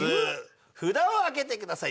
札をあげてください。